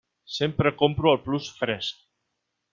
Sempre compro al Plus Fresc.